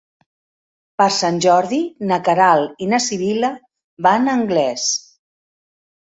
Per Sant Jordi na Queralt i na Sibil·la van a Anglès.